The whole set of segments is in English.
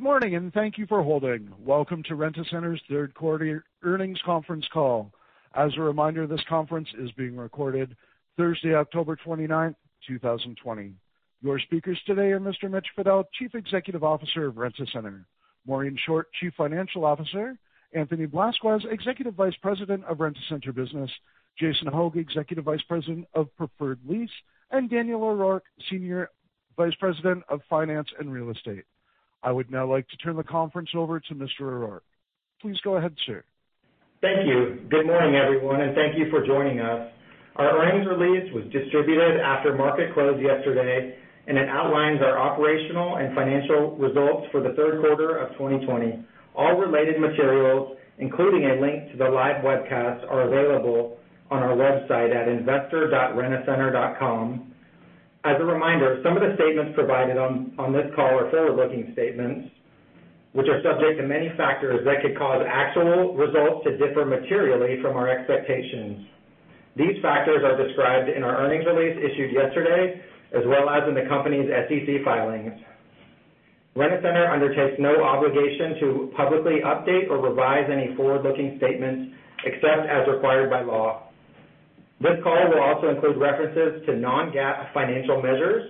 Good morning, and thank you for holding. Welcome to Rent-A-Center's third quarter earnings conference call. As a reminder, this conference is being recorded Thursday, October 29th, 2020. Your speakers today are Mr. Mitch Fadel, Chief Executive Officer of Rent-A-Center, Maureen Short, Chief Financial Officer, Anthony Blasquez, Executive Vice President of Rent-A-Center Business, Jason Hogg, Executive Vice President of Preferred Lease, and Daniel O'Rourke, Senior Vice President of Finance and Real Estate. I would now like to turn the conference over to Mr. O'Rourke. Please go ahead, sir. Thank you. Good morning, everyone, and thank you for joining us. Our earnings release was distributed after market close yesterday, and it outlines our operational and financial results for the third quarter of 2020. All related materials, including a link to the live webcast, are available on our website at investor.rentacenter.com. As a reminder, some of the statements provided on this call are forward-looking statements, which are subject to many factors that could cause actual results to differ materially from our expectations. These factors are described in our earnings release issued yesterday, as well as in the company's SEC filings. Rent-A-Center undertakes no obligation to publicly update or revise any forward-looking statements except as required by law. This call will also include references to non-GAAP financial measures.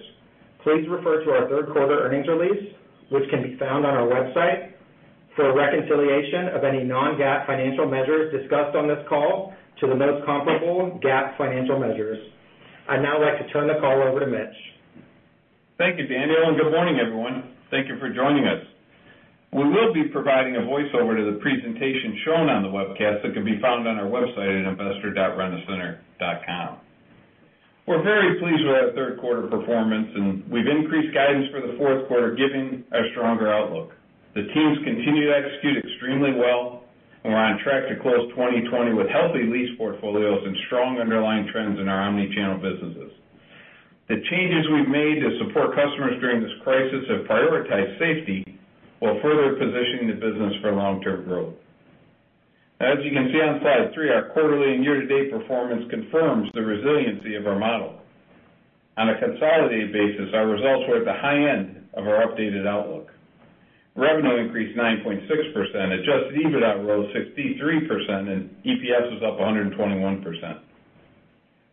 Please refer to our third quarter earnings release, which can be found on our website, for a reconciliation of any non-GAAP financial measures discussed on this call to the most comparable GAAP financial measures. I'd now like to turn the call over to Mitch. Thank you, Daniel, good morning, everyone. Thank you for joining us. We will be providing a voiceover to the presentation shown on the webcast that can be found on our website at investor.rentacenter.com. We're very pleased with our third-quarter performance, and we've increased guidance for the fourth quarter, giving a stronger outlook. The teams continue to execute extremely well, and we're on track to close 2020 with healthy lease portfolios and strong underlying trends in our omni-channel businesses. The changes we've made to support customers during this crisis have prioritized safety while further positioning the business for long-term growth. As you can see on slide three, our quarterly and year-to-date performance confirms the resiliency of our model. On a consolidated basis, our results were at the high end of our updated outlook. Revenue increased 9.6%, adjusted EBITDA rose 63%, and EPS was up 121%.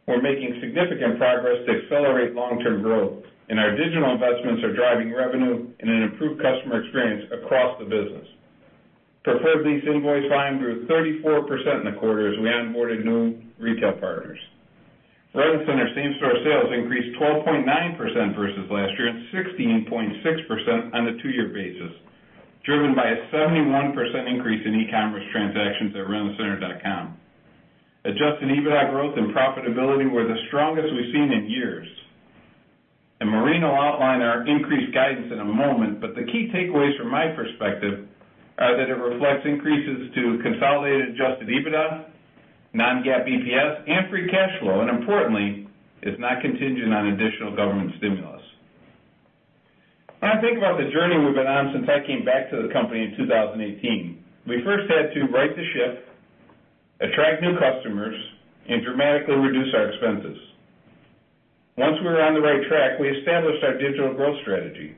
We're making significant progress to accelerate long-term growth, and our digital investments are driving revenue and an improved customer experience across the business. Preferred Lease invoice volume grew 34% in the quarter as we onboarded new retail partners. Rent-A-Center same-store sales increased 12.9% versus last year and 16.6% on a two-year basis, driven by a 71% increase in e-commerce transactions at rentacenter.com. Adjusted EBITDA growth and profitability were the strongest we've seen in years. Maureen will outline our increased guidance in a moment, but the key takeaways from my perspective are that it reflects increases to consolidated adjusted EBITDA, non-GAAP EPS, and free cash flow, and importantly, is not contingent on additional government stimulus. When I think about the journey we've been on since I came back to the company in 2018, we first had to right the ship, attract new customers, and dramatically reduce our expenses. Once we were on the right track, we established our digital growth strategy.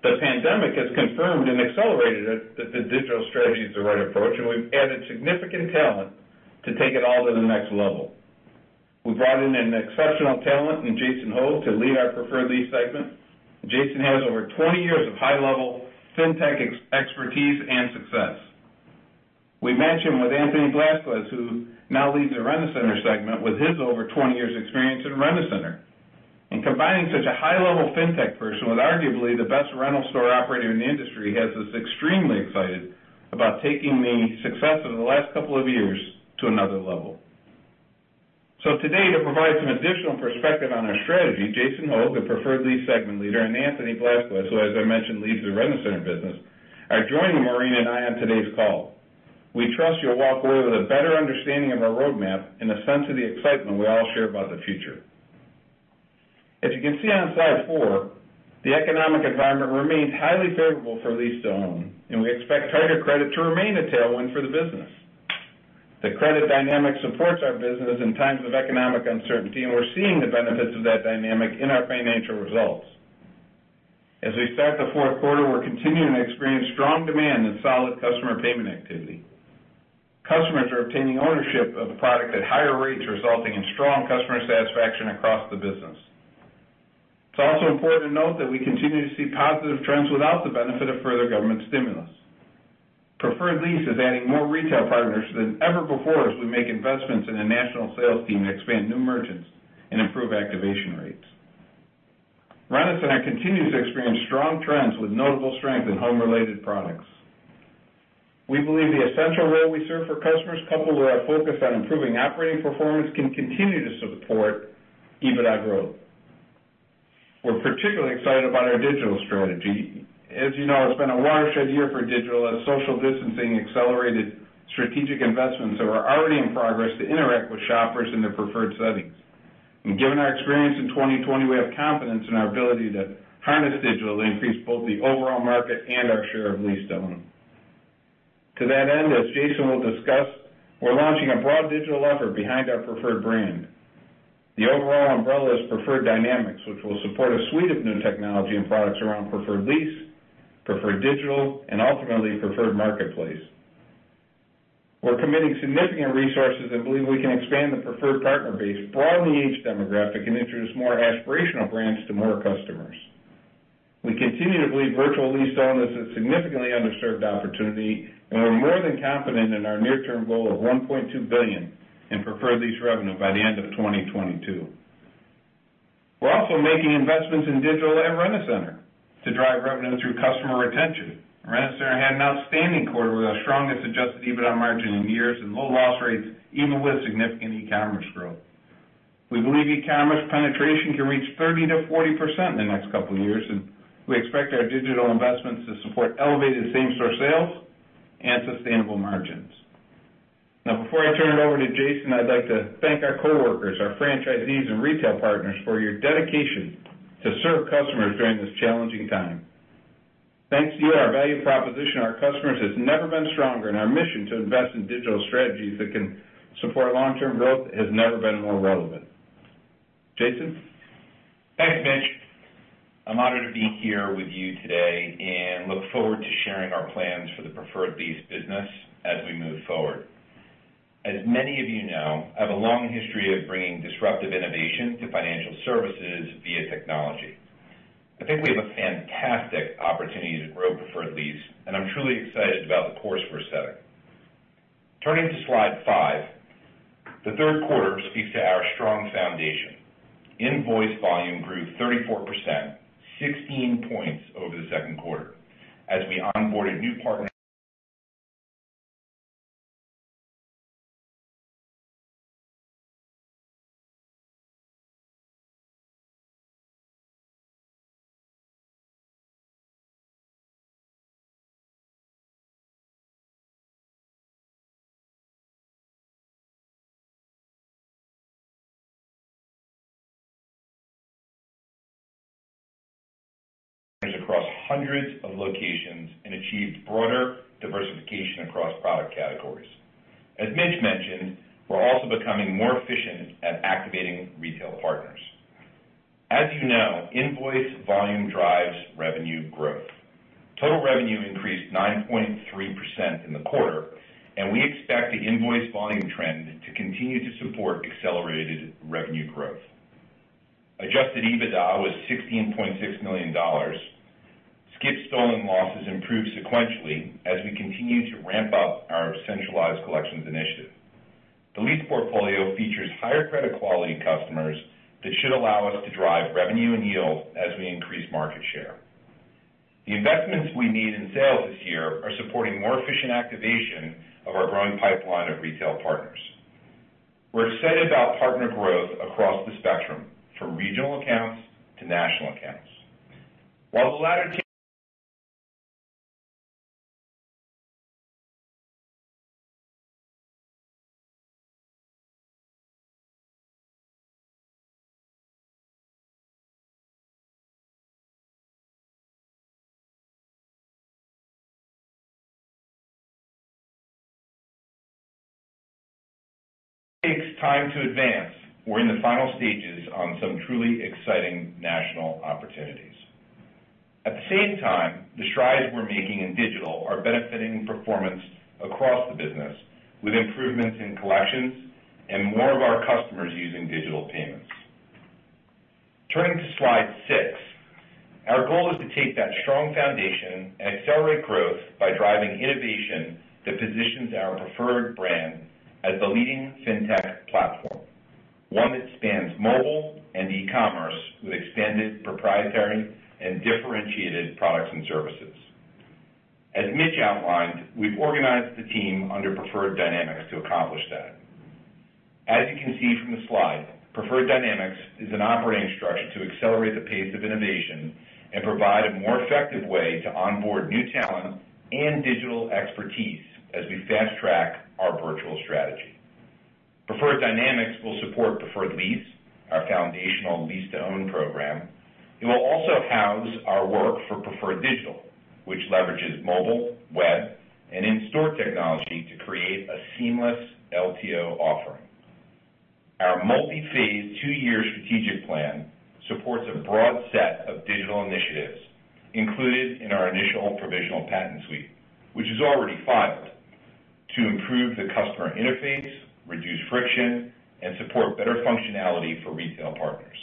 The pandemic has confirmed and accelerated that the digital strategy is the right approach, and we've added significant talent to take it all to the next level. We brought in an exceptional talent in Jason Hogg to lead our Preferred Lease segment. Jason has over 20 years of high-level fintech expertise and success. We matched him with Anthony Blasquez, who now leads the Rent-A-Center segment with his over 20 years experience in Rent-A-Center. Combining such a high-level fintech person with arguably the best rental store operator in the industry has us extremely excited about taking the success of the last couple of years to another level. Today, to provide some additional perspective on our strategy, Jason Hogg, the Preferred Lease segment leader, and Anthony Blasquez, who as I mentioned, leads the Rent-A-Center business, are joining Maureen and I on today's call. We trust you'll walk away with a better understanding of our roadmap and a sense of the excitement we all share about the future. As you can see on slide four, the economic environment remains highly favorable for lease-to-own, and we expect tighter credit to remain a tailwind for the business. The credit dynamic supports our business in times of economic uncertainty, and we're seeing the benefits of that dynamic in our financial results. As we start the fourth quarter, we're continuing to experience strong demand and solid customer payment activity. Customers are obtaining ownership of a product at higher rates, resulting in strong customer satisfaction across the business. It's also important to note that we continue to see positive trends without the benefit of further government stimulus. Preferred Lease is adding more retail partners than ever before as we make investments in a national sales team to expand new merchants and improve activation rates. Rent-A-Center continues to experience strong trends with notable strength in home-related products. We believe the essential role we serve for customers, coupled with our focus on improving operating performance, can continue to support EBITDA growth. We're particularly excited about our digital strategy. As you know, it's been a watershed year for digital as social distancing accelerated strategic investments that were already in progress to interact with shoppers in their preferred settings. Given our experience in 2020, we have confidence in our ability to harness digital to increase both the overall market and our share of lease-to-own. To that end, as Jason will discuss, we're launching a broad digital offer behind our Preferred brand. The overall umbrella is Preferred Dynamix, which will support a suite of new technology and products around Preferred Lease, Preferred Digital, and ultimately, Preferred Marketplace. We're committing significant resources and believe we can expand the Preferred partner base broadly each demographic and introduce more aspirational brands to more customers. We continue to believe virtual lease-to-own is a significantly underserved opportunity, and we're more than confident in our near-term goal of $1.2 billion in Preferred Lease revenue by the end of 2022. We're also making investments in digital and Rent-A-Center to drive revenue through customer retention. Rent-A-Center had an outstanding quarter with our strongest adjusted EBITDA margin in years and low loss rates, even with significant e-commerce growth. We believe e-commerce penetration can reach 30%-40% in the next couple of years, and we expect our digital investments to support elevated same-store sales and sustainable margins. Before I turn it over to Jason, I'd like to thank our coworkers, our franchisees, and retail partners for your dedication to serve customers during this challenging time. Thanks to you, our value proposition to our customers has never been stronger, and our mission to invest in digital strategies that can support long-term growth has never been more relevant. Jason? Thanks, Mitch. I'm honored to be here with you today and look forward to sharing our plans for the Preferred Lease business as we move forward. As many of you know, I have a long history of bringing disruptive innovation to financial services via technology. I think we have a fantastic opportunity to grow Preferred Lease, and I'm truly excited about the course we're setting. Turning to slide five, the third quarter speaks to our strong foundation. Invoice volume grew 34%, 16 points over the second quarter as we onboarded new partners across hundreds of locations and achieved broader diversification across product categories. As Mitch mentioned, we're also becoming more efficient at activating retail partners. As you know, invoice volume drives revenue growth. Total revenue increased 9.3% in the quarter, and we expect the invoice volume trend to continue to support accelerated revenue growth. Adjusted EBITDA was $16.6 million. Skip/stolen losses improved sequentially as we continue to ramp up our centralized collections initiative. The lease portfolio features higher credit quality customers that should allow us to drive revenue and yield as we increase market share. The investments we made in sales this year are supporting more efficient activation of our growing pipeline of retail partners. We're excited about partner growth across the spectrum, from regional accounts to national accounts. While the latter takes time to advance, we're in the final stages on some truly exciting national opportunities. At the same time, the strides we're making in digital are benefiting performance across the business, with improvements in collections and more of our customers using digital payments. Turning to slide six, our goal is to take that strong foundation and accelerate growth by driving innovation that positions our Preferred brand as the leading fintech platform, one that spans mobile and e-commerce with expanded proprietary and differentiated products and services. As Mitch outlined, we've organized the team under Preferred Dynamix to accomplish that. As you can see from the slide, Preferred Dynamix is an operating structure to accelerate the pace of innovation and provide a more effective way to onboard new talent and digital expertise as we fast-track our virtual strategy. Preferred Dynamix will support Preferred Lease, our foundational lease-to-own program. It will also house our work for Preferred Digital, which leverages mobile, web, and in-store technology to create a seamless LTO offering. Our multi-phase two-year strategic plan supports a broad set of digital initiatives included in our initial provisional patent suite, which is already filed to improve the customer interface, reduce friction, and support better functionality for retail partners.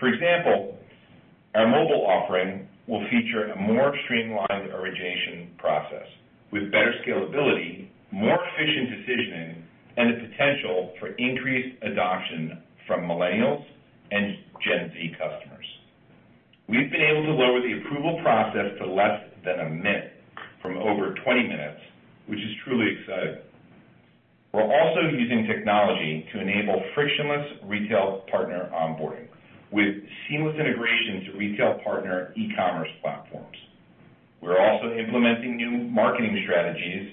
For example, our mobile offering will feature a more streamlined origination process with better scalability, more efficient decisioning, and the potential for increased adoption from Millennials and Gen Z customers. We've been able to lower the approval process to less than a minute from over 20 minutes, which is truly exciting. We're also using technology to enable frictionless retail partner onboarding with seamless integration to retail partner e-commerce platforms. We're also implementing new marketing strategies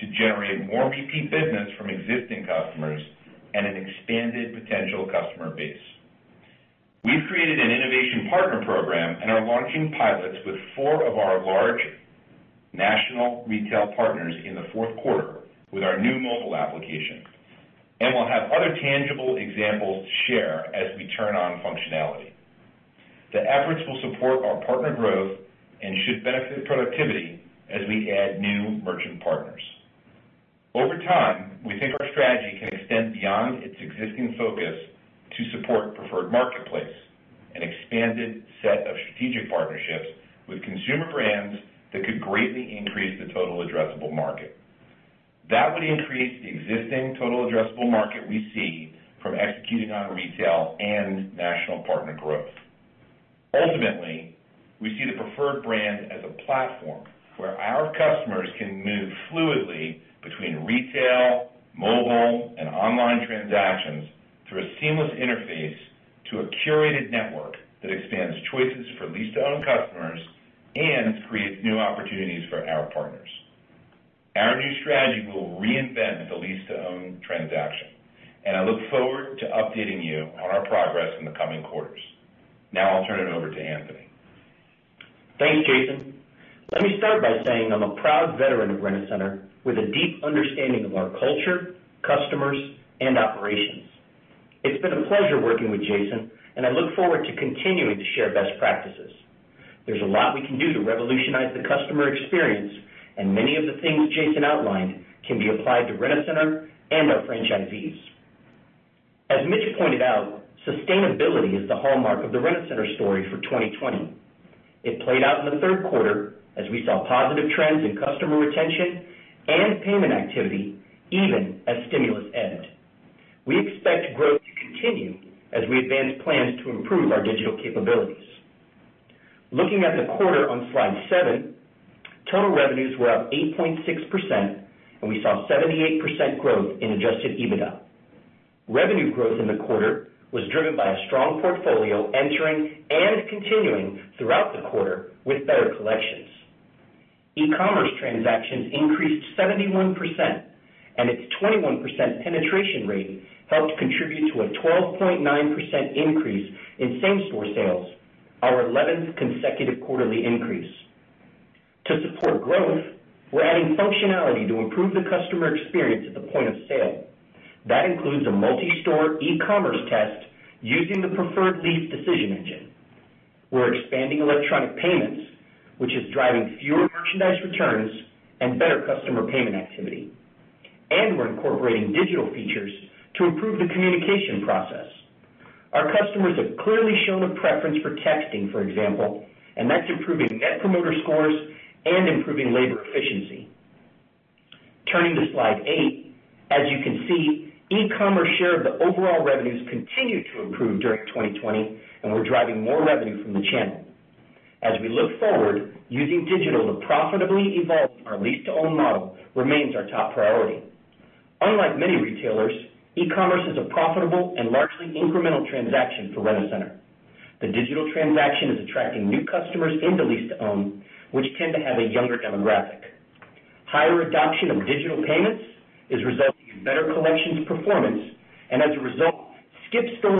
to generate more repeat business from existing customers and an expanded potential customer base. We've created an innovation partner program and are launching pilots with four of our large national retail partners in the fourth quarter with our new mobile application. We'll have other tangible examples to share as we turn on functionality. The efforts will support our partner growth and should benefit productivity as we add new merchant partners. Over time, we think our strategy can extend beyond its existing focus to support Preferred Marketplace, an expanded set of strategic partnerships with consumer brands that could greatly increase the total addressable market. That would increase the existing total addressable market we see from executing on retail and national partner growth. Ultimately, we see the Preferred Brand as a platform where our customers can move fluidly between retail, mobile, and online transactions through a seamless interface to a curated network that expands choices for lease-to-own customers and creates new opportunities for our partners. Our new strategy will reinvent the lease-to-own transaction, and I look forward to updating you on our progress in the coming quarters. Now I'll turn it over to Anthony. Thanks, Jason. Let me start by saying I'm a proud veteran of Rent-A-Center with a deep understanding of our culture, customers, and operations. It's been a pleasure working with Jason, and I look forward to continuing to share best practices. There's a lot we can do to revolutionize the customer experience, and many of the things Jason outlined can be applied to Rent-A-Center and our franchisees. As Mitch pointed out, sustainability is the hallmark of the Rent-A-Center story for 2020. It played out in the third quarter as we saw positive trends in customer retention and payment activity, even as stimulus ended. We expect growth to continue as we advance plans to improve our digital capabilities. Looking at the quarter on slide seven, total revenues were up 8.6%, and we saw 78% growth in adjusted EBITDA. Revenue growth in the quarter was driven by a strong portfolio entering and continuing throughout the quarter with better collections. E-commerce transactions increased 71%, and its 21% penetration rate helped contribute to a 12.9% increase in same-store sales, our 11th consecutive quarterly increase. To support growth, we're adding functionality to improve the customer experience at the point of sale. That includes a multi-store e-commerce test using the Preferred Lease decision engine. We're expanding electronic payments, which is driving fewer merchandise returns and better customer payment activity. We're incorporating digital features to improve the communication process. Our customers have clearly shown a preference for texting, for example, and that's improving Net Promoter Score and improving labor efficiency. Turning to slide eight, as you can see, e-commerce share of the overall revenues continued to improve during 2020, and we're driving more revenue from the channel. As we look forward, using digital to profitably evolve our lease-to-own model remains our top priority. Unlike many retailers, e-commerce is a profitable and largely incremental transaction for Rent-A-Center. The digital transaction is attracting new customers into lease-to-own, which tend to have a younger demographic. Higher adoption of digital payments is resulting in better collections performance, and as a result, skip/stolen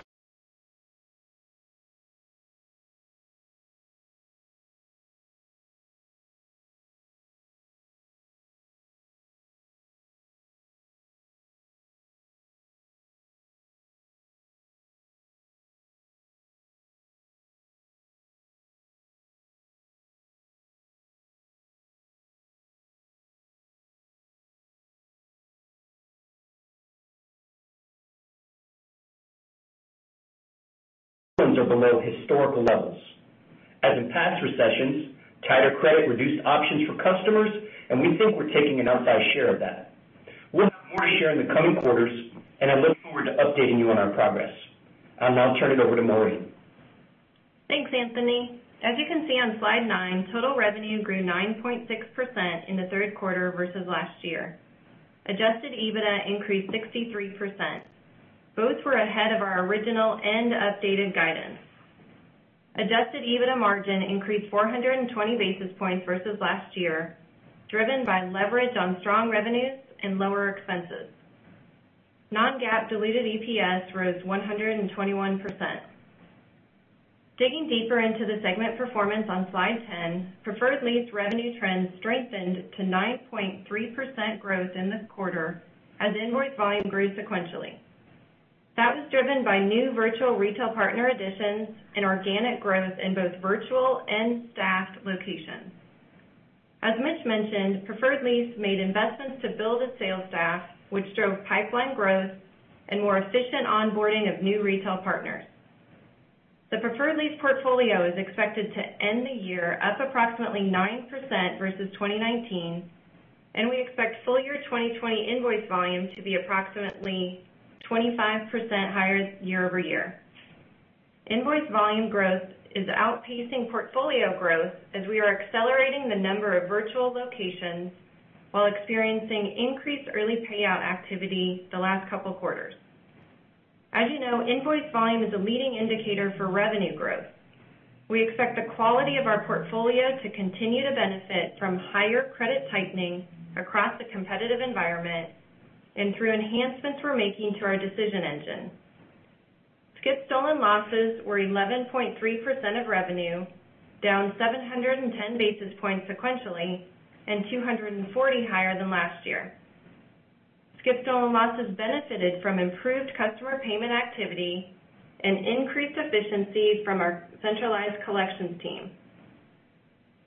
losses are below historical levels. As in past recessions, tighter credit reduced options for customers, and we think we're taking an outsized share of that. We'll have more to share in the coming quarters, and I look forward to updating you on our progress. I'll now turn it over to Maureen. Thanks, Anthony. As you can see on slide nine, total revenue grew 9.6% in the third quarter versus last year. Adjusted EBITDA increased 63%. Both were ahead of our original and updated guidance. Adjusted EBITDA margin increased 420 basis points versus last year, driven by leverage on strong revenues and lower expenses. non-GAAP diluted EPS rose 121%. Digging deeper into the segment performance on slide 10, Preferred Lease revenue trends strengthened to 9.3% growth in the quarter as invoice volume grew sequentially. That was driven by new virtual retail partner additions and organic growth in both virtual and staffed locations. As Mitch mentioned, Preferred Lease made investments to build a sales staff, which drove pipeline growth and more efficient onboarding of new retail partners. The Preferred Lease portfolio is expected to end the year up approximately 9% versus 2019, and we expect full-year 2020 invoice volume to be approximately 25% higher year-over-year. Invoice volume growth is outpacing portfolio growth as we are accelerating the number of virtual locations while experiencing increased early payout activity the last couple quarters. As you know, invoice volume is a leading indicator for revenue growth. We expect the quality of our portfolio to continue to benefit from higher credit tightening across the competitive environment and through enhancements we're making to our decision engine. Skip/stolen losses were 11.3% of revenue, down 710 basis points sequentially and 240 higher than last year. Skip/stolen losses benefited from improved customer payment activity and increased efficiency from our centralized collections team.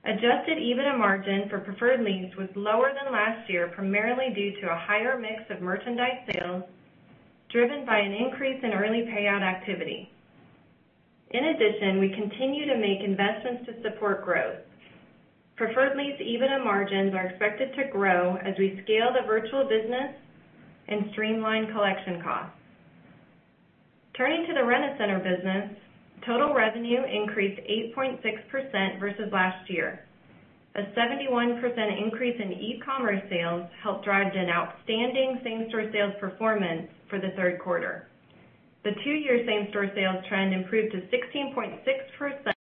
Adjusted EBITDA margin for Preferred Lease was lower than last year, primarily due to a higher mix of merchandise sales driven by an increase in early payout activity. In addition, we continue to make investments to support growth. Preferred Lease EBITDA margins are expected to grow as we scale the virtual business and streamline collection costs. Turning to the Rent-A-Center business, total revenue increased 8.6% versus last year. A 71% increase in e-commerce sales helped drive an outstanding same-store sales performance for the third quarter. The two-year same-store sales trend improved to 16.6%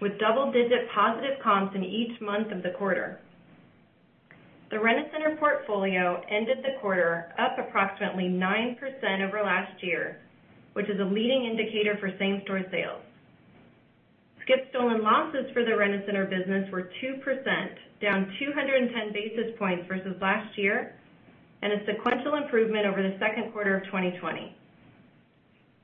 with double-digit positive comps in each month of the quarter. The Rent-A-Center portfolio ended the quarter up approximately 9% over last year, which is a leading indicator for same-store sales. Skip/stolen losses for the Rent-A-Center business were 2%, down 210 basis points versus last year, and a sequential improvement over the second quarter of 2020.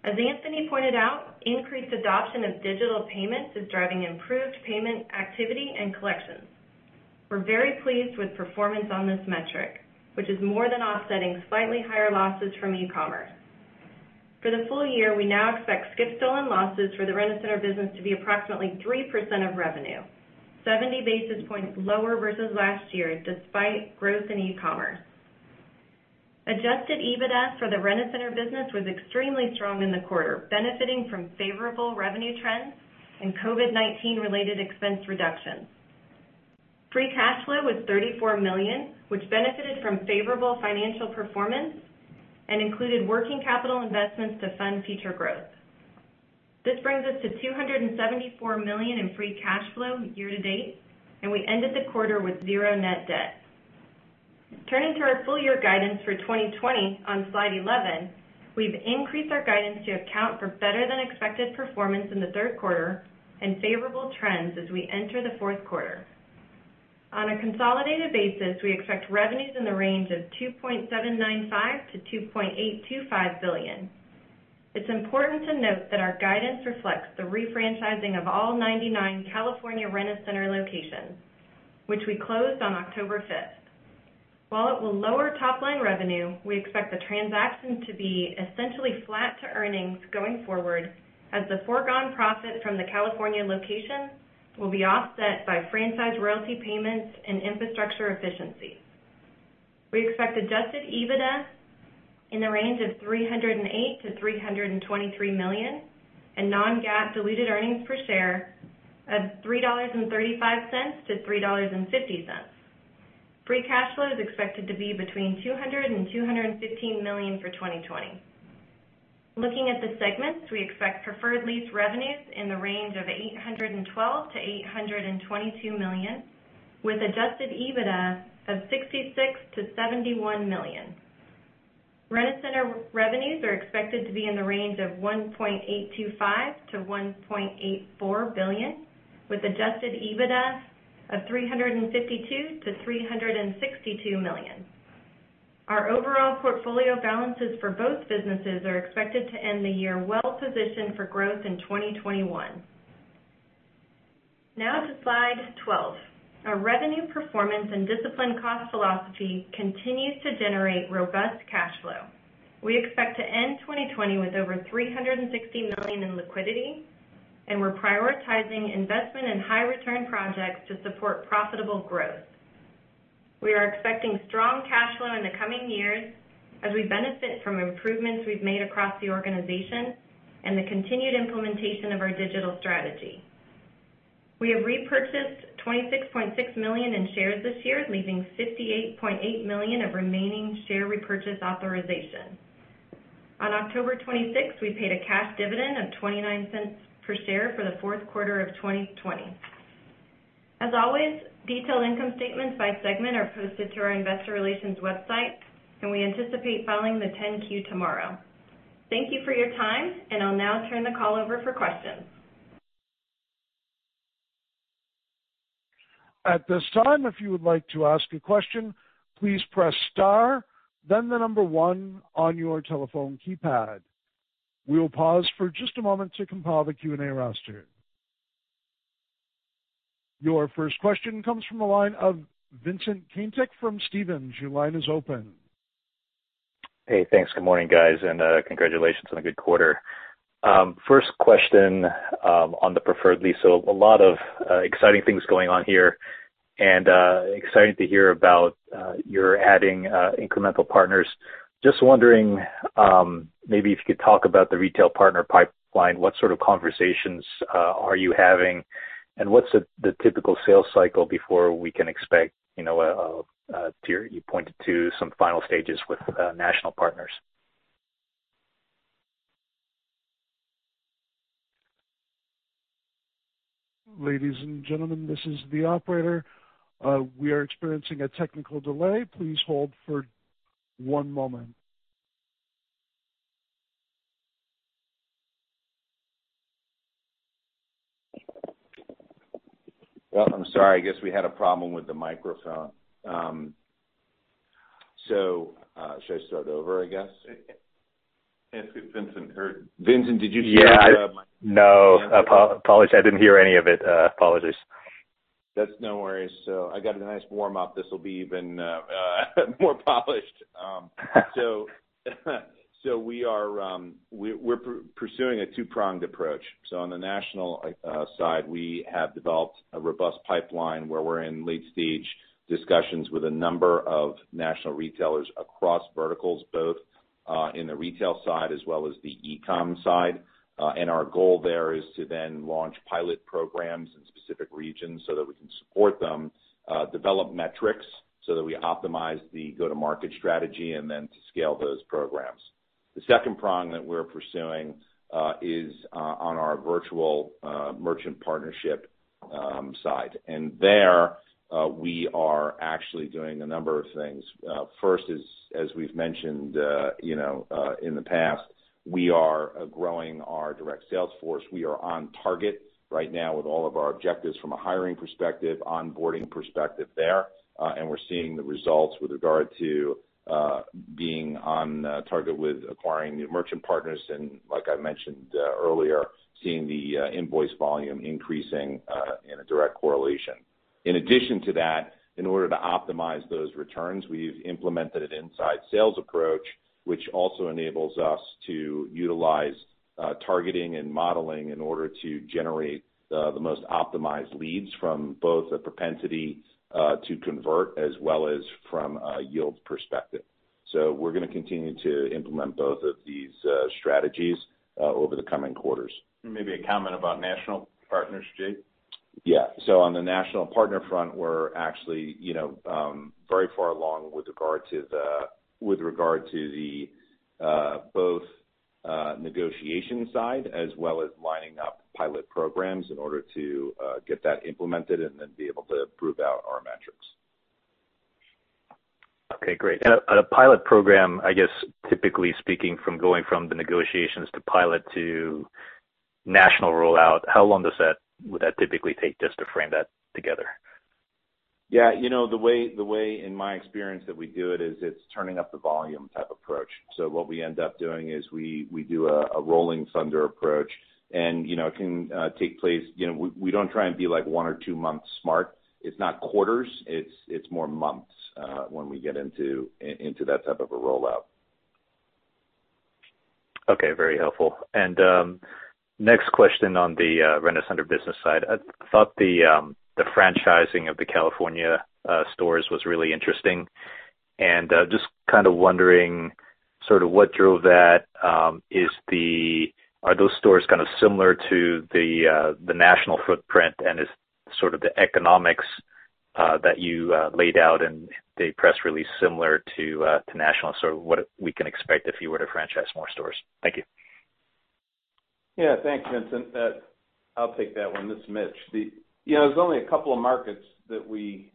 As Anthony pointed out, increased adoption of digital payments is driving improved payment activity and collections. We're very pleased with performance on this metric, which is more than offsetting slightly higher losses from e-commerce. For the full year, we now expect skip/stolen losses for the Rent-A-Center Business to be approximately 3% of revenue, 70 basis points lower versus last year, despite growth in e-commerce. Adjusted EBITDA for the Rent-A-Center Business was extremely strong in the quarter, benefiting from favorable revenue trends and COVID-19 related expense reductions. Free cash flow was $34 million, which benefited from favorable financial performance and included working capital investments to fund future growth. This brings us to $274 million in free cash flow year to date, and we ended the quarter with zero net debt. Turning to our full year guidance for 2020 on slide 11, we've increased our guidance to account for better-than-expected performance in the third quarter and favorable trends as we enter the fourth quarter. On a consolidated basis, we expect revenues in the range of $2.795 billion-$2.825 billion. It's important to note that our guidance reflects the refranchising of all 99 California Rent-A-Center locations, which we closed on October 5th. While it will lower top line revenue, we expect the transaction to be essentially flat to earnings going forward as the foregone profit from the California locations will be offset by franchise royalty payments and infrastructure efficiencies. We expect adjusted EBITDA in the range of $308 million-$323 million and non-GAAP diluted earnings per share of $3.35-$3.50. free cash flow is expected to be between $200 million and $215 million for 2020. Looking at the segments, we expect Preferred Lease revenues in the range of $812 million-$822 million, with adjusted EBITDA of $66 million-$71 million. Rent-A-Center revenues are expected to be in the range of $1.825 billion-$1.84 billion, with adjusted EBITDA of $352 million-$362 million. Our overall portfolio balances for both businesses are expected to end the year well positioned for growth in 2021. Now to slide 12. Our revenue performance and disciplined cost philosophy continues to generate robust cash flow. We expect to end 2020 with over $360 million in liquidity, we're prioritizing investment in high return projects to support profitable growth. We are expecting strong cash flow in the coming years as we benefit from improvements we've made across the organization and the continued implementation of our digital strategy. We have repurchased $26.6 million in shares this year, leaving $58.8 million of remaining share repurchase authorization. On October 26th, we paid a cash dividend of $0.29 per share for the fourth quarter of 2020. As always, detailed income statements by segment are posted to our investor relations website, and we anticipate filing the 10-Q tomorrow. Thank you for your time, and I'll now turn the call over for questions. At this time, if you would like to ask a question, please press star then the number one on your telephone keypad. We'll pause just a moment to compile the Q&A roster. Your first question comes from the line of Vincent Caintic from Stephens. Hey, thanks. Good morning, guys, and congratulations on a good quarter. First question on the Preferred Lease. A lot of exciting things going on here and exciting to hear about you're adding incremental partners. Just wondering, maybe if you could talk about the retail partner pipeline, what sort of conversations are you having? What's the typical sales cycle before we can expect, you pointed to some final stages with national partners. Ladies and gentlemen, this is the operator. We are experiencing a technical delay. Please hold for one moment. Well, I'm sorry. I guess we had a problem with the microphone. Should I start over, I guess? Ask if Vincent heard. Vincent, did you hear me? Yeah. No. I apologize, I didn't hear any of it. Apologies. That's no worries. I got a nice warm-up. This will be even more polished. We're pursuing a two-pronged approach. On the national side, we have developed a robust pipeline where we're in late-stage discussions with a number of national retailers across verticals, both in the retail side as well as the e-com side. Our goal there is to then launch pilot programs in specific regions so that we can support them, develop metrics so that we optimize the go-to-market strategy, and then to scale those programs. The second prong that we're pursuing is on our virtual merchant partnership side. There, we are actually doing a number of things. First is, as we've mentioned in the past, we are growing our direct sales force. We are on target right now with all of our objectives from a hiring perspective, onboarding perspective there. We're seeing the results with regard to being on target with acquiring new merchant partners and, like I mentioned earlier, seeing the invoice volume increasing in a direct correlation. In addition to that, in order to optimize those returns, we've implemented an inside sales approach, which also enables us to utilize targeting and modeling in order to generate the most optimized leads from both a propensity to convert as well as from a yield perspective. We're going to continue to implement both of these strategies over the coming quarters. Maybe a comment about national partners, Jason? Yeah. On the national partner front, we're actually very far along with regard to the both negotiation side as well as lining up pilot programs in order to get that implemented and then be able to prove out our metrics. Okay, great. On a pilot program, I guess typically speaking from going from the negotiations to pilot to national rollout, how long would that typically take just to frame that together? Yeah. The way in my experience that we do it is it's turning up the volume type approach. What we end up doing is we do a rolling thunder approach. We don't try and be one or two months smart. It's not quarters, it's more months, when we get into that type of a rollout. Okay. Very helpful. Next question on the Rent-A-Center business side. I thought the franchising of the California stores was really interesting, and just kind of wondering sort of what drove that. Are those stores kind of similar to the national footprint and is sort of the economics that you laid out in the press release similar to national? What we can expect if you were to franchise more stores. Thank you. Thanks, Vincent. I'll take that one. This is Mitch. There's only a couple of markets that we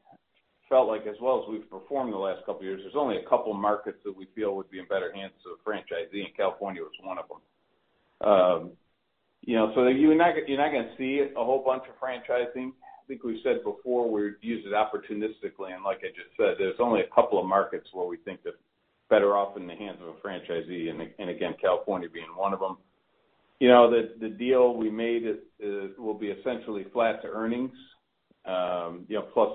felt like as well as we've performed the last couple of years, there's only a couple markets that we feel would be in better hands of a franchisee, California was one of them. You're not going to see a whole bunch of franchising. I think we've said before, we use it opportunistically, like I just said, there's only a couple of markets where we think they're better off in the hands of a franchisee, again, California being one of them. The deal we made will be essentially flat to earnings, plus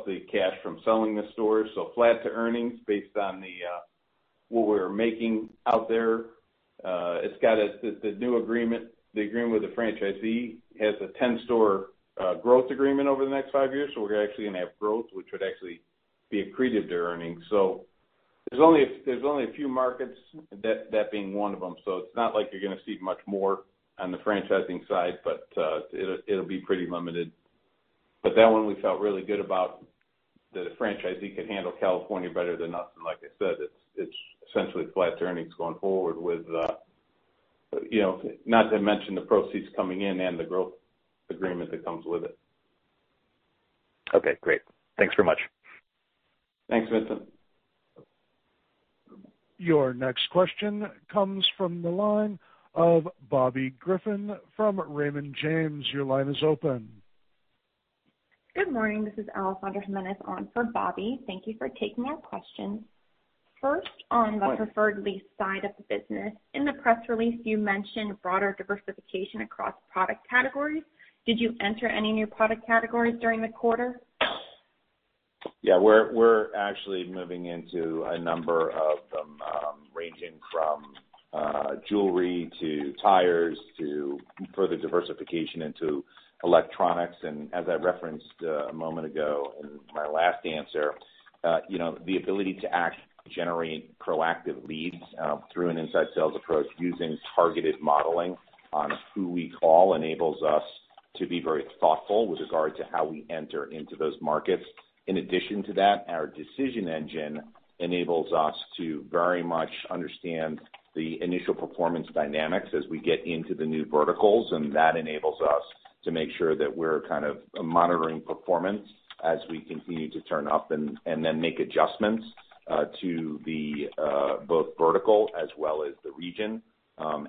the cash from selling the store. Flat to earnings based on what we're making out there. The new agreement, the agreement with the franchisee, has a 10-store growth agreement over the next five years. We're actually going to have growth, which would actually be accretive to earnings. There's only a few markets, that being one of them. It's not like you're going to see much more on the Franchising side, but it'll be pretty limited. That one we felt really good about, that a franchisee could handle California better than us. Like I said, it's essentially flat to earnings going forward, not to mention the proceeds coming in and the growth agreement that comes with it. Okay, great. Thanks very much. Thanks, Vincent. Your next question comes from the line of Bobby Griffin from Raymond James. Your line is open. Good morning. This is Alessandra Jimenez on for Bobby. Thank you for taking our question. On the Preferred Lease side of the business, in the press release, you mentioned broader diversification across product categories. Did you enter any new product categories during the quarter? Yeah, we're actually moving into a number of them, ranging from jewelry to tires to further diversification into electronics. As I referenced a moment ago in my last answer, the ability to actually generate proactive leads through an inside sales approach using targeted modeling on who we call enables us to be very thoughtful with regard to how we enter into those markets. In addition to that, our decision engine enables us to very much understand the initial performance dynamics as we get into the new verticals, and that enables us to make sure that we're kind of monitoring performance as we continue to turn up and then make adjustments to the both vertical as well as the region,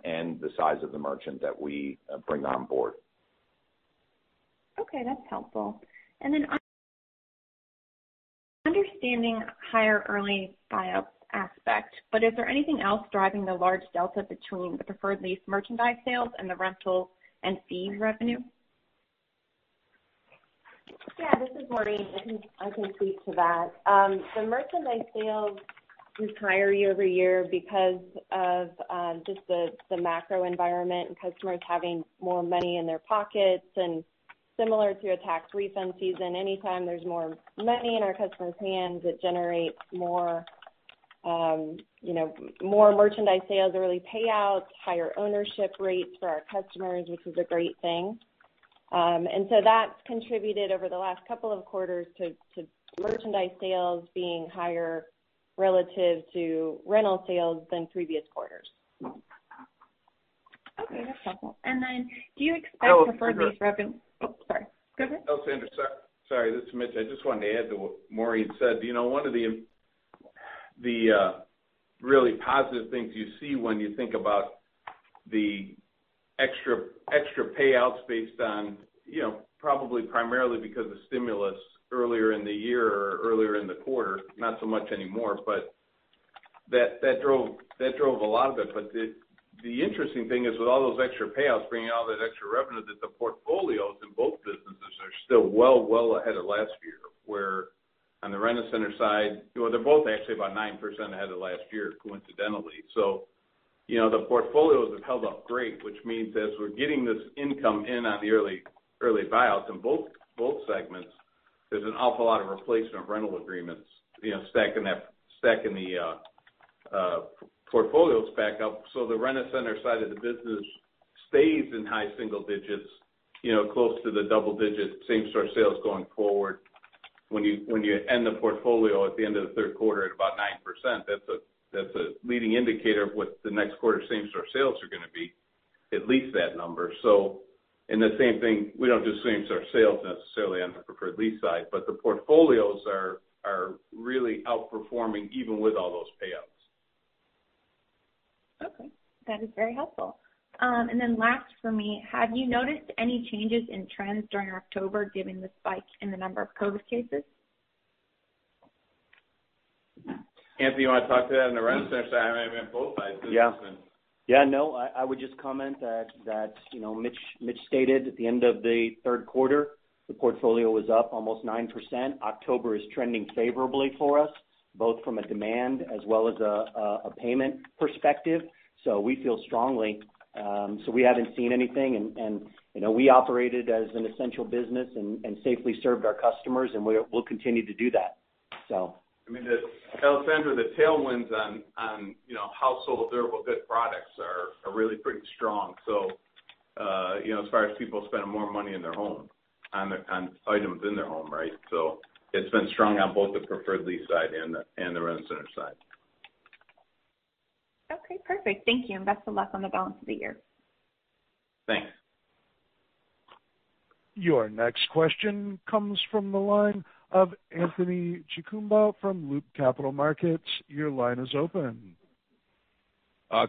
and the size of the merchant that we bring on board. Okay, that's helpful. Understanding higher early buyouts aspect, but is there anything else driving the large delta between the Preferred Lease merchandise sales and the rental and fee revenue? Yeah, this is Maureen. I can speak to that. The merchandise sales was higher year-over-year because of just the macro environment and customers having more money in their pockets. Similar to a tax refund season, anytime there's more money in our customers' hands, it generates more merchandise sales, early payouts, higher ownership rates for our customers, which is a great thing. That's contributed over the last couple of quarters to merchandise sales being higher relative to rental sales than previous quarters. Okay, that's helpful. Do you expect Preferred Lease revenue- Oh, sorry. Go ahead. Alessandra, sorry, this is Mitch. I just wanted to add to what Maureen said. One of the really positive things you see when you think about the extra payouts based on probably primarily because of stimulus earlier in the year or earlier in the quarter, not so much anymore, but that drove a lot of it. The interesting thing is, with all those extra payouts, bringing all that extra revenue that the portfolios in both businesses are still well ahead of last year. Where on the Rent-A-Center side, they're both actually about 9% ahead of last year, coincidentally. The portfolios have held up great, which means as we're getting this income in on the early buyouts in both segments, there's an awful lot of replacement rental agreements stacking the portfolios back up. The Rent-A-Center side of the business stays in high single digits, close to the double digit same-store sales going forward. When you end the portfolio at the end of the third quarter at about 9%, that's a leading indicator of what the next quarter same-store sales are going to be, at least that number. And the same thing, we don't do same-store sales necessarily on the Preferred Lease side, but the portfolios are really outperforming even with all those payouts. Okay, that is very helpful. Last for me, have you noticed any changes in trends during October given the spike in the number of COVID cases? Anthony, you want to talk to that on the Rent-A-Center side? I mean, on both sides, this has been. Yeah. No, I would just comment that Mitch stated at the end of the third quarter, the portfolio was up almost 9%. October is trending favorably for us, both from a demand as well as a payment perspective. We feel strongly. We haven't seen anything, and we operated as an essential business and safely served our customers, and we'll continue to do that. I mean, Alessandra, the tailwinds on household durable good products are really pretty strong. As far as people spending more money in their home, on items in their home, right? It's been strong on both the Preferred Lease side and the Rent-A-Center side. Okay, perfect. Thank you, and best of luck on the balance of the year. Thanks. Your next question comes from the line of Anthony Chukumba from Loop Capital Markets. Your line is open.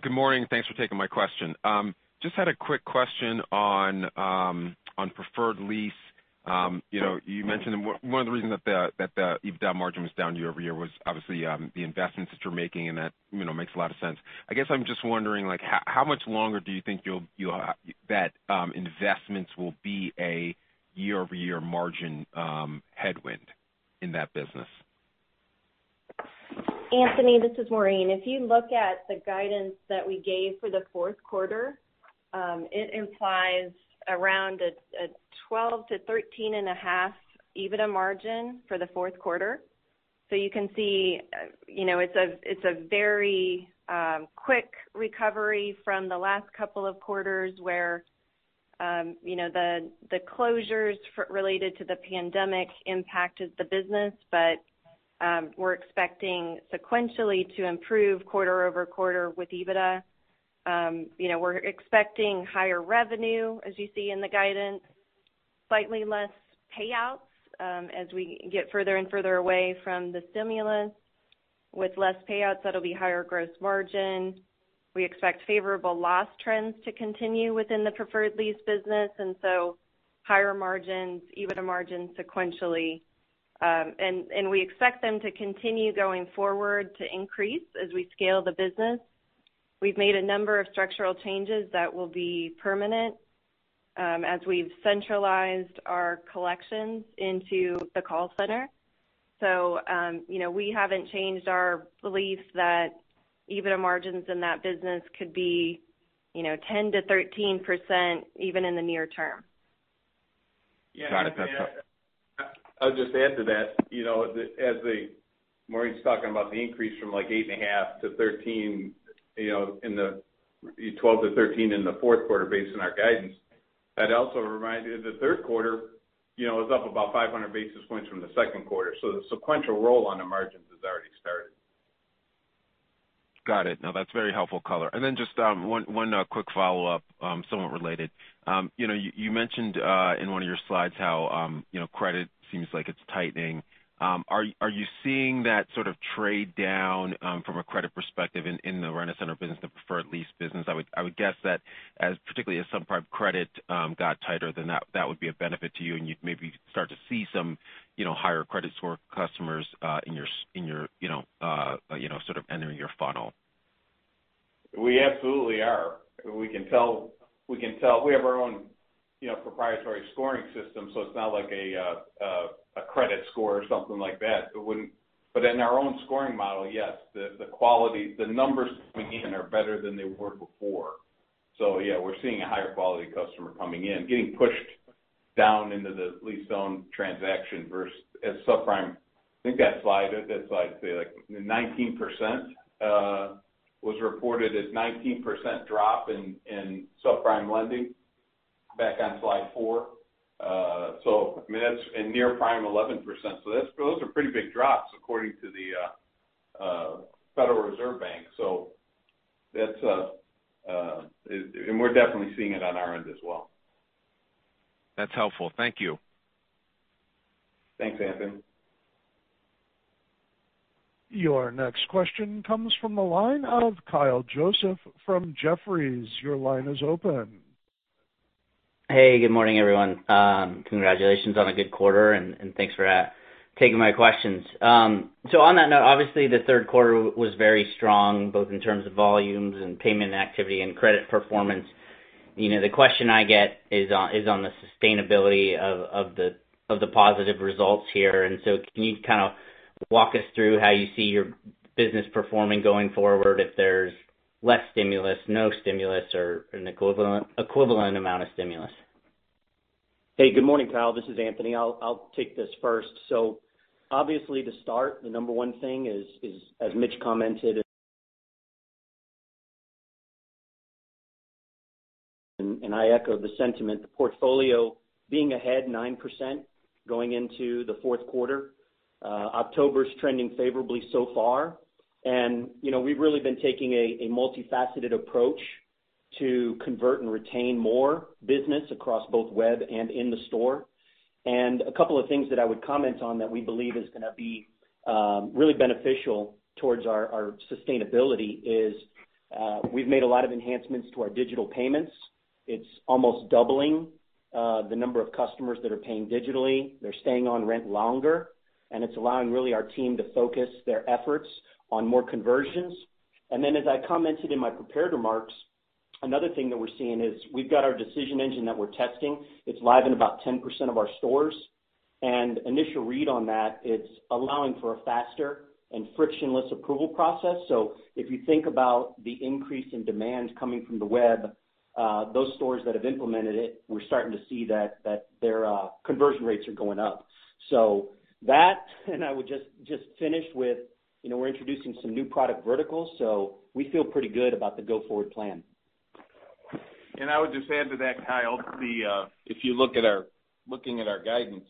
Good morning. Thanks for taking my question. Just had a quick question on Preferred Lease. You mentioned one of the reasons that the EBITDA margin was down year-over-year was obviously the investments that you're making, and that makes a lot of sense. I guess I'm just wondering, how much longer do you think that investments will be a year-over-year margin headwind in that business? Anthony, this is Maureen. If you look at the guidance that we gave for the fourth quarter, it implies around a 12%-13.5% EBITDA margin for the fourth quarter. You can see it's a very quick recovery from the last couple of quarters where the closures related to the pandemic impacted the business. We're expecting sequentially to improve quarter-over-quarter with EBITDA. We're expecting higher revenue, as you see in the guidance, slightly less payouts as we get further and further away from the stimulus. With less payouts, that'll be higher gross margin. We expect favorable loss trends to continue within the Preferred Lease business, and so higher margins, EBITDA margins sequentially. We expect them to continue going forward to increase as we scale the business. We've made a number of structural changes that will be permanent as we've centralized our collections into the call center. We haven't changed our belief that EBITDA margins in that business could be 10%-13%, even in the near term. Got it. That's helpful. I'll just add to that. As Maureen's talking about the increase from 8.5% to 13%, 12% to 13% in the fourth quarter based on our guidance, I'd also remind you that the third quarter was up about 500 basis points from the second quarter. The sequential roll on the margins has already started. Got it. No, that's very helpful color. Just one quick follow-up, somewhat related. You mentioned in one of your slides how credit seems like it's tightening. Are you seeing that sort of trade down from a credit perspective in the rent-to-own business, the Preferred Lease business? I would guess that as particularly as subprime credit got tighter, then that would be a benefit to you, and you'd maybe start to see some higher credit score customers sort of entering your funnel. We absolutely are. We have our own proprietary scoring system, so it's not like a credit score or something like that. In our own scoring model, yes, the numbers coming in are better than they were before. Yeah, we're seeing a higher quality customer coming in, getting pushed down into the lease-own transaction versus as subprime. I think that slide say like 19% was reported as 19% drop in subprime lending back on slide four. Near prime, 11%. Those are pretty big drops according to the Federal Reserve Bank. We're definitely seeing it on our end as well. That's helpful. Thank you. Thanks, Anthony. Your next question comes from the line of Kyle Joseph from Jefferies. Your line is open. Hey, good morning, everyone. Congratulations on a good quarter, and thanks for taking my questions. On that note, obviously, the third quarter was very strong, both in terms of volumes and payment activity and credit performance. The question I get is on the sustainability of the positive results here. Can you kind of walk us through how you see your business performing going forward if there's less stimulus, no stimulus, or an equivalent amount of stimulus? Good morning, Kyle. This is Anthony. I'll take this first. Obviously to start, the number one thing is, as Mitch commented, and I echo the sentiment, the portfolio being ahead 9% going into the fourth quarter. October's trending favorably so far. We've really been taking a multifaceted approach to convert and retain more business across both web and in the store. A couple of things that I would comment on that we believe is going to be really beneficial towards our sustainability is we've made a lot of enhancements to our digital payments. It's almost doubling the number of customers that are paying digitally. They're staying on rent longer, it's allowing really our team to focus their efforts on more conversions. As I commented in my prepared remarks, another thing that we're seeing is we've got our decision engine that we're testing. It's live in about 10% of our stores. Initial read on that, it's allowing for a faster and frictionless approval process. If you think about the increase in demand coming from the web, those stores that have implemented it, we're starting to see that their conversion rates are going up. That, and I would just finish with we're introducing some new product verticals. We feel pretty good about the go-forward plan. I would just add to that, Kyle, if you're looking at our guidance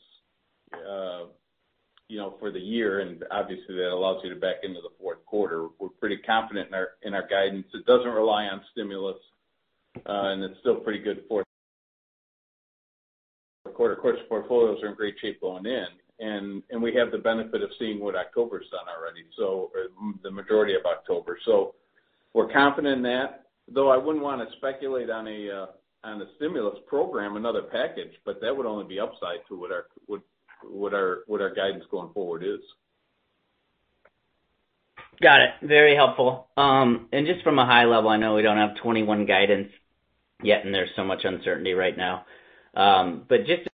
for the year, and obviously that allows you to back into the fourth quarter, we're pretty confident in our guidance. It doesn't rely on stimulus, and it's still pretty good for the quarter. Of course, portfolios are in great shape going in, and we have the benefit of seeing what October's done already. The majority of October. We're confident in that, though I wouldn't want to speculate on a stimulus program, another package, but that would only be upside to what our guidance going forward is. Got it. Very helpful. Just from a high level, I know we don't have 2021 guidance yet, and there's so much uncertainty right now. Just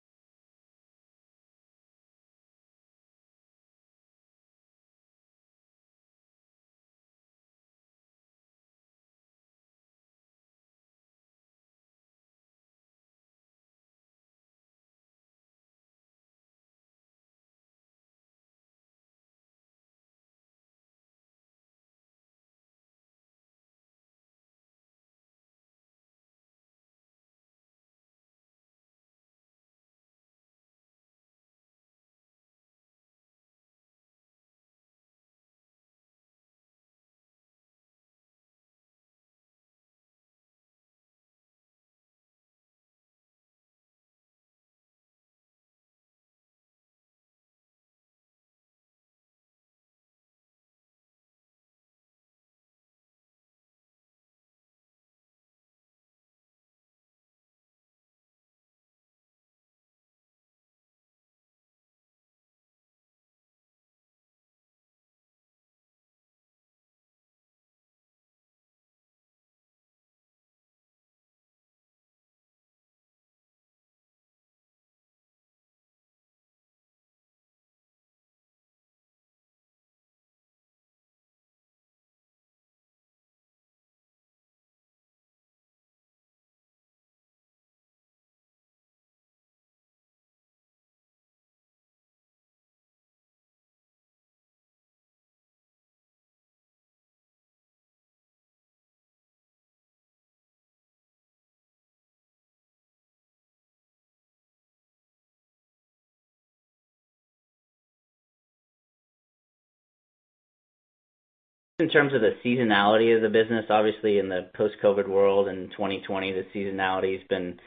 in terms of the seasonality of the business, obviously in the post-COVID world in 2020, the seasonality has been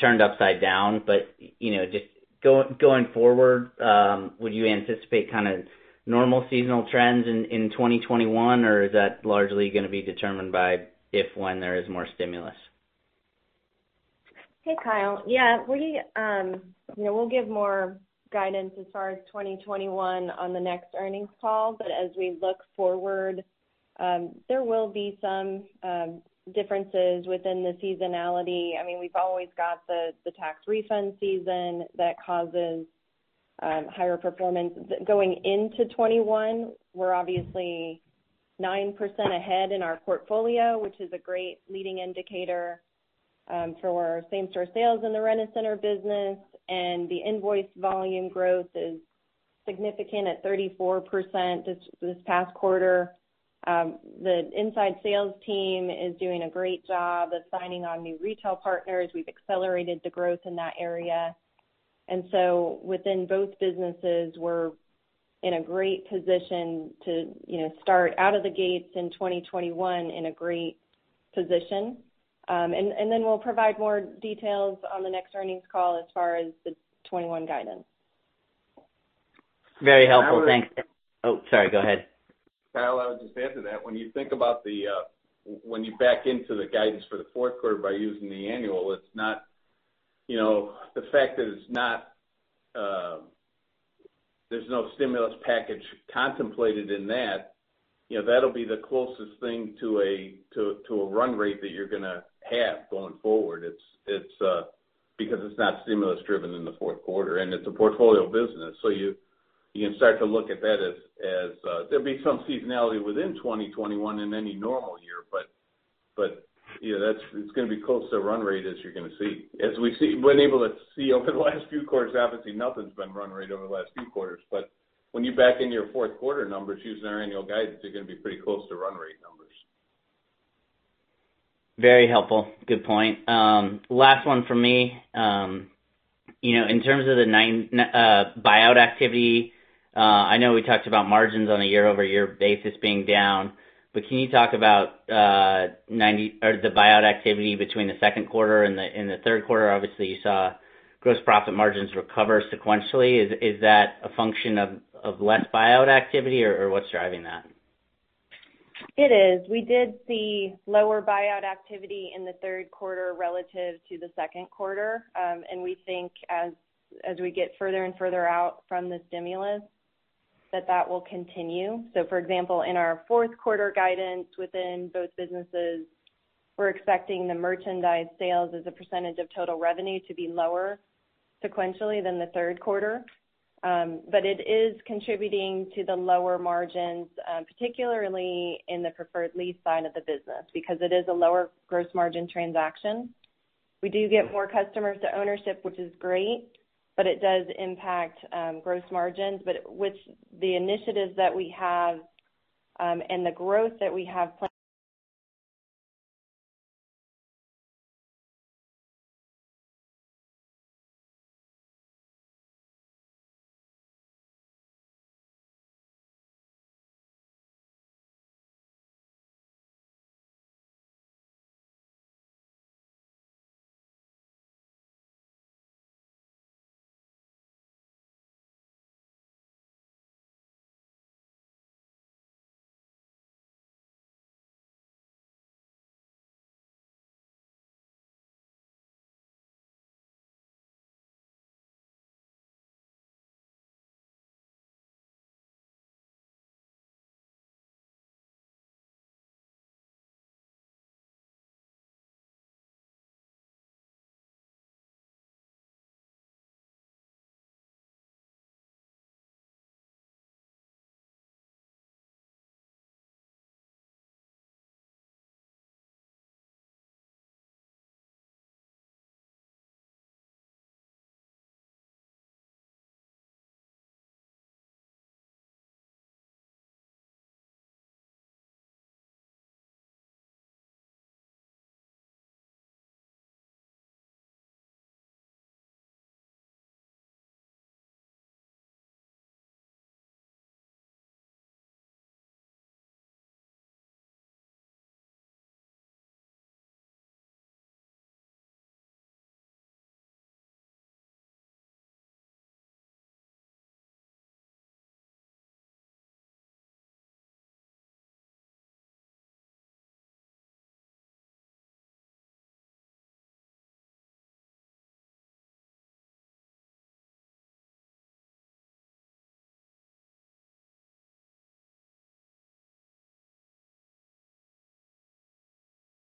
turned upside down. Just going forward, would you anticipate normal seasonal trends in 2021? Or is that largely going to be determined by if/when there is more stimulus? Hey, Kyle. Yeah, we'll give more guidance as far as 2021 on the next earnings call. As we look forward, there will be some differences within the seasonality. We've always got the tax refund season that causes higher performance. Going into 2021, we're obviously 9% ahead in our portfolio, which is a great leading indicator for same-store sales in the Rent-A-Center business, and the invoice volume growth is significant at 34% this past quarter. The inside sales team is doing a great job of signing on new retail partners. We've accelerated the growth in that area. Within both businesses, we're in a great position to start out of the gates in 2021 in a great position. We'll provide more details on the next earnings call as far as the 2021 guidance. Very helpful. Thanks. Oh, sorry. Go ahead. Kyle, I would just add to that, when you back into the guidance for the fourth quarter by using the annual, the fact that there's no stimulus package contemplated in that'll be the closest thing to a run rate that you're going to have going forward. It's not stimulus-driven in the fourth quarter, and it's a portfolio business. You can start to look at that as there'll be some seasonality within 2021 in any normal year, but it's going to be close to run rate as you're going to see. As we've been able to see over the last few quarters, obviously nothing's been run rate over the last few quarters. When you back in your fourth quarter numbers using our annual guidance, they're going to be pretty close to run rate numbers. Very helpful. Good point. Last one from me. In terms of the buyout activity, I know we talked about margins on a year-over-year basis being down, can you talk about the buyout activity between the second quarter and the third quarter? Obviously, you saw gross profit margins recover sequentially. Is that a function of less buyout activity, or what's driving that? It is. We did see lower buyout activity in the third quarter relative to the second quarter. We think as we get further and further out from the stimulus, that that will continue. For example, in our fourth quarter guidance within both businesses, we're expecting the merchandise sales as a percentage of total revenue to be lower sequentially than the third quarter. It is contributing to the lower margins, particularly in the Preferred Lease side of the business, because it is a lower gross margin transaction. We do get more customers to ownership, which is great, but it does impact gross margins. With the initiatives that we have and the growth that we have planned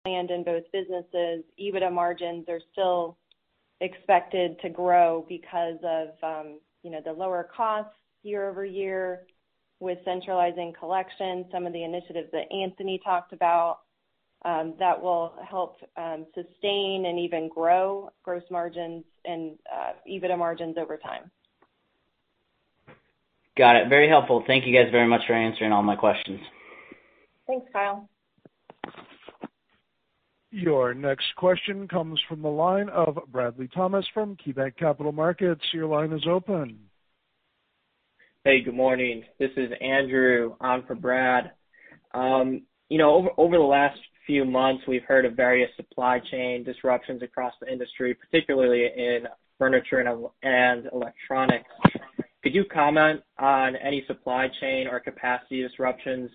in both businesses, EBITDA margins are still expected to grow because of the lower costs year-over-year with centralizing collection, some of the initiatives that Anthony talked about that will help sustain and even grow gross margins and EBITDA margins over time. Got it. Very helpful. Thank you guys very much for answering all my questions. Thanks, Kyle. Your next question comes from the line of Bradley Thomas from KeyBanc Capital Markets. Your line is open. Hey, good morning. This is Andrew on for Brad. Over the last few months, we've heard of various supply chain disruptions across the industry, particularly in furniture and electronics. Could you comment on any supply chain or capacity disruptions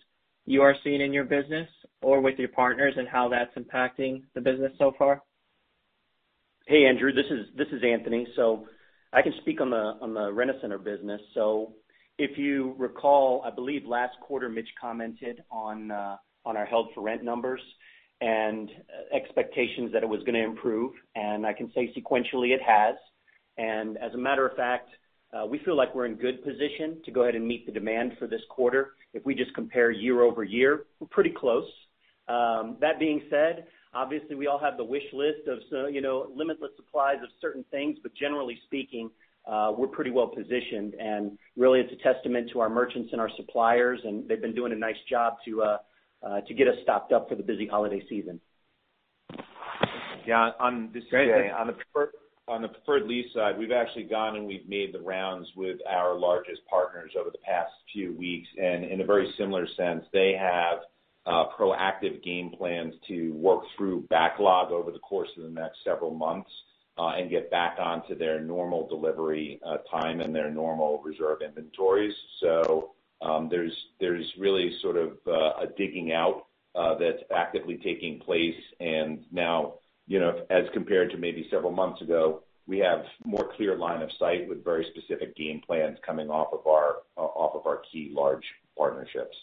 you are seeing in your business or with your partners, and how that's impacting the business so far? Hey, Andrew, this is Anthony. I can speak on the Rent-A-Center business. If you recall, I believe last quarter Mitch commented on our held for rent numbers and expectations that it was going to improve, and I can say sequentially it has. As a matter of fact, we feel like we're in good position to go ahead and meet the demand for this quarter. If we just compare year-over-year, we're pretty close. That being said, obviously we all have the wish list of limitless supplies of certain things, but generally speaking, we're pretty well positioned, and really it's a testament to our merchants and our suppliers, and they've been doing a nice job to get us stocked up for the busy holiday season. Yeah. On the Preferred Lease side, we've actually gone and we've made the rounds with our largest partners over the past few weeks. In a very similar sense, they have proactive game plans to work through backlog over the course of the next several months, and get back on to their normal delivery time and their normal reserve inventories. There's really sort of a digging out that's actively taking place. Now, as compared to maybe several months ago, we have more clear line of sight with very specific game plans coming off of our key large partnerships.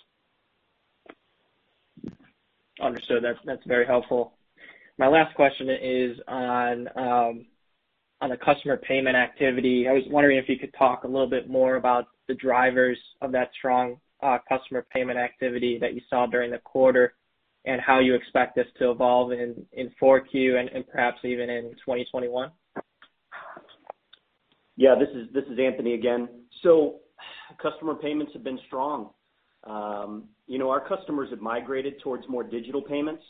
Understood. That's very helpful. My last question is on the customer payment activity. I was wondering if you could talk a little bit more about the drivers of that strong customer payment activity that you saw during the quarter, and how you expect this to evolve in 4Q and perhaps even in 2021. Yeah, this is Anthony again. Customer payments have been strong. Our customers have migrated towards more digital payments,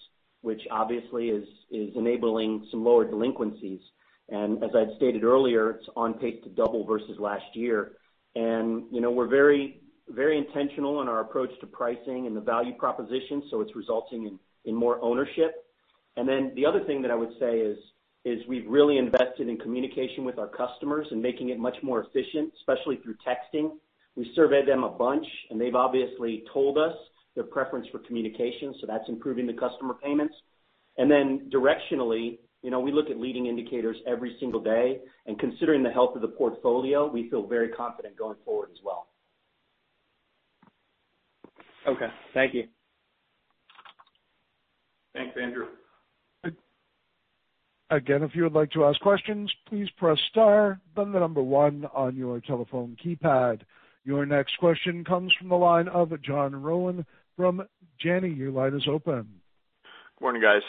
which obviously is enabling some lower delinquencies. As I'd stated earlier, it's on pace to double versus last year. We're very intentional in our approach to pricing and the value proposition, so it's resulting in more ownership. The other thing that I would say is we've really invested in communication with our customers and making it much more efficient, especially through texting. We survey them a bunch, and they've obviously told us their preference for communication, so that's improving the customer payments. Directionally, we look at leading indicators every single day, and considering the health of the portfolio, we feel very confident going forward as well. Okay. Thank you. Thanks, Andrew. Again, if you would like to ask questions, please press star, then the number one on your telephone keypad. Your next question comes from the line of John Rowan from Janney. Your line is open. Good morning, guys.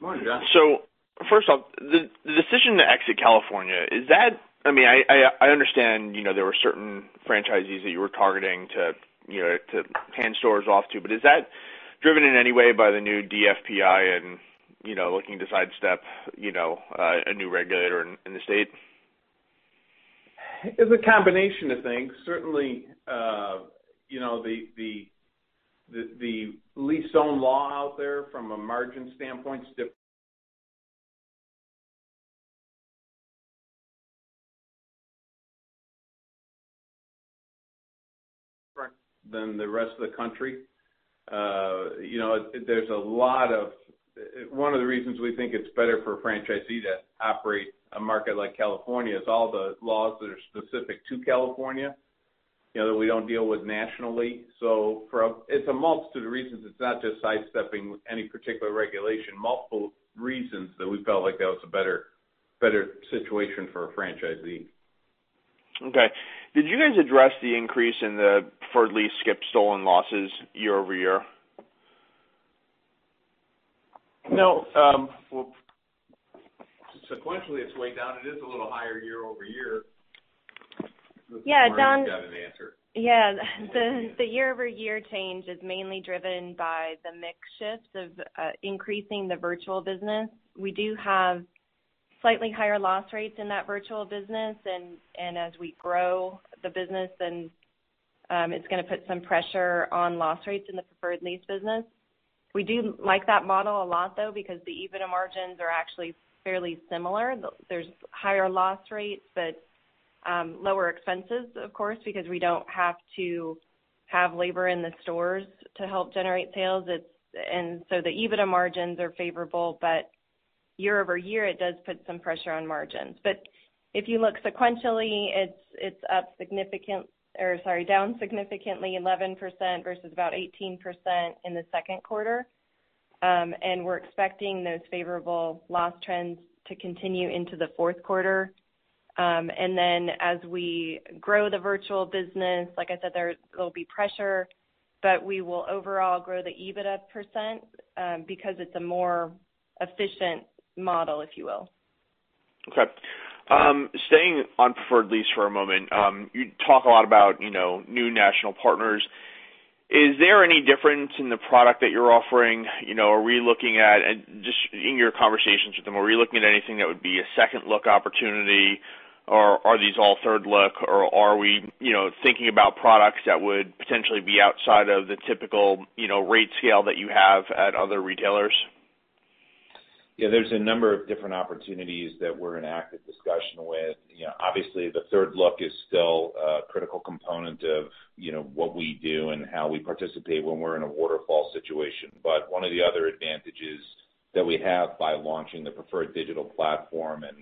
Morning, John. First off, the decision to exit California, I understand there were certain franchisees that you were targeting to hand stores off to. Is that driven in any way by the new DFPI and looking to sidestep a new regulator in the state? It's a combination of things. Certainly, the lease own law out there from a margin standpoint is than the rest of the country. One of the reasons we think it's better for a franchisee to operate a market like California is all the laws that are specific to California, that we don't deal with nationally. It's a multitude of reasons. It's not just sidestepping any particular regulation. Multiple reasons that we felt like that was a better situation for a franchisee. Okay. Did you guys address the increase in the Preferred Lease skip/stolen losses year-over-year? No. Sequentially, it's way down. It is a little higher year-over-year. Yeah, John. Maureen's got an answer. Yeah. The year-over-year change is mainly driven by the mix shifts of increasing the virtual business. We do have slightly higher loss rates in that virtual business. As we grow the business, it's going to put some pressure on loss rates in the Preferred Lease business. We do like that model a lot, though, because the EBITDA margins are actually fairly similar. There's higher loss rates, lower expenses, of course, because we don't have to have labor in the stores to help generate sales. The EBITDA margins are favorable. Year-over-year, it does put some pressure on margins. If you look sequentially, it's up significant, or sorry, down significantly 11% versus about 18% in the second quarter. We're expecting those favorable loss trends to continue into the fourth quarter. As we grow the virtual business, like I said, there will be pressure, but we will overall grow the EBITDA percent, because it's a more efficient model, if you will. Okay. Staying on Preferred Lease for a moment. You talk a lot about new national partners. Is there any difference in the product that you're offering? In your conversations with them, are we looking at anything that would be a second-look opportunity, or are these all third look, or are we thinking about products that would potentially be outside of the typical rate scale that you have at other retailers? Yeah, there's a number of different opportunities that we're in active discussion with. Obviously, the third look is still a critical component of what we do and how we participate when we're in a waterfall situation. One of the other advantages that we have by launching the Preferred Digital platform and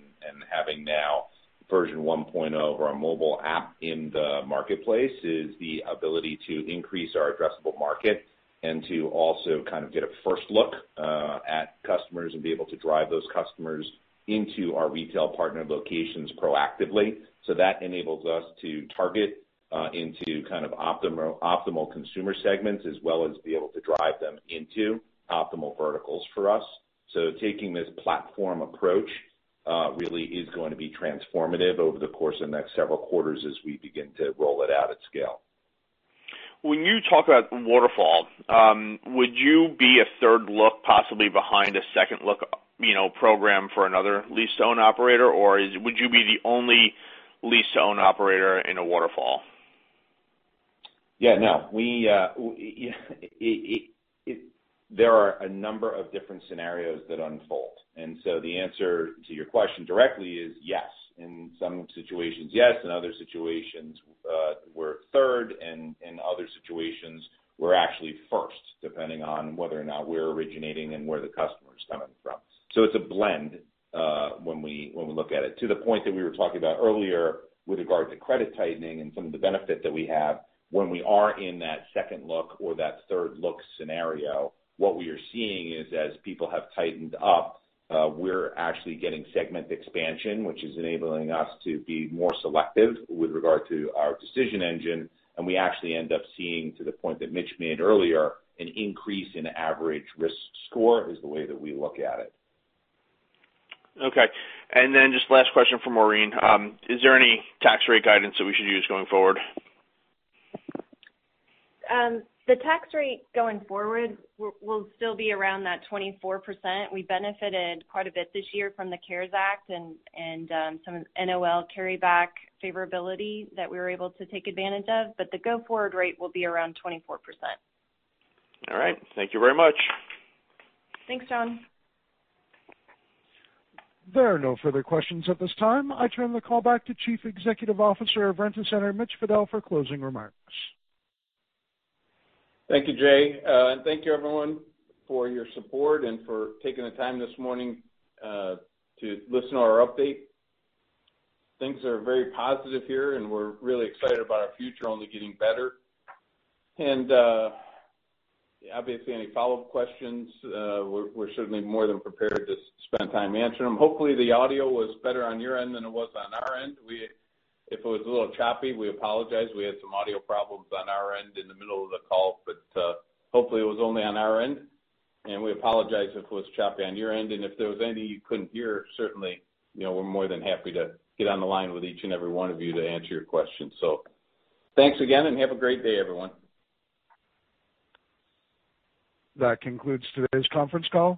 having now version 1.0 of our mobile app in the marketplace, is the ability to increase our addressable market and to also kind of get a first look at customers and be able to drive those customers into our retail partner locations proactively. That enables us to target into kind of optimal consumer segments, as well as be able to drive them into optimal verticals for us. Taking this platform approach really is going to be transformative over the course of the next several quarters as we begin to roll it out at scale. When you talk about waterfall, would you be a third look possibly behind a second look program for another lease-to-own operator, or would you be the only lease-to-own operator in a waterfall? Yeah. No. There are a number of different scenarios that unfold. The answer to your question directly is yes. In some situations, yes. In other situations, we're third, and in other situations, we're actually first, depending on whether or not we're originating and where the customer is coming from. It's a blend, when we look at it. To the point that we were talking about earlier with regard to credit tightening and some of the benefit that we have when we are in that second look or that third look scenario, what we are seeing is, as people have tightened up, we're actually getting segment expansion, which is enabling us to be more selective with regard to our decision engine. We actually end up seeing, to the point that Mitch made earlier, an increase in average risk score, is the way that we look at it. Okay. Just last question from Maureen. Is there any tax rate guidance that we should use going forward? The tax rate going forward will still be around that 24%. We benefited quite a bit this year from the CARES Act and some NOL carryback favorability that we were able to take advantage of, but the go-forward rate will be around 24%. All right. Thank you very much. Thanks, John. There are no further questions at this time. I turn the call back to Chief Executive Officer of Rent-A-Center, Mitch Fadel, for closing remarks. Thank you, Jay. Thank you everyone for your support and for taking the time this morning to listen to our update. Things are very positive here, and we're really excited about our future only getting better. Obviously, any follow-up questions, we're certainly more than prepared to spend time answering them. Hopefully, the audio was better on your end than it was on our end. If it was a little choppy, we apologize. We had some audio problems on our end in the middle of the call, but hopefully it was only on our end, and we apologize if it was choppy on your end. If there was any you couldn't hear, certainly, we're more than happy to get on the line with each and every one of you to answer your questions. Thanks again, and have a great day, everyone. That concludes today's conference call.